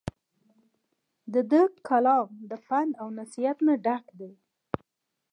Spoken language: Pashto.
د دۀ کالم د پند او نصيحت نه ډک دے ۔